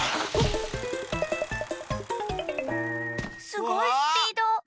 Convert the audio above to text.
すごいスピード！